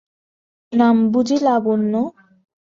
নাম বুঝি লাবণ্য?